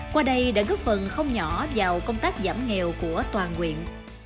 qua đây đã góp phần không nhỏ vào công tác giảm nghèo của toàn quyện